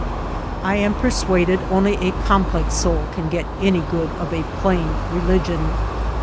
I am persuaded only a complex soul can get any good of a plain religion.